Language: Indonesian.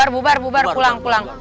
bu bar bu bar pulang pulang